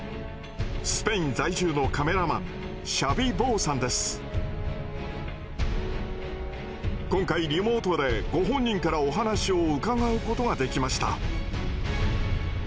スペイン在住の今回リモートでご本人からお話を伺うことができました。